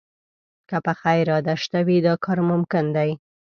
که پخه اراده شته وي، دا کار ممکن دی